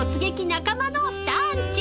仲間のスターん家』］